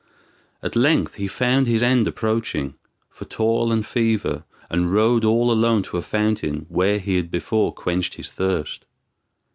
At length he found his end approaching, for toil and fever, and rode all alone to a fountain where he had before quenched his thirst.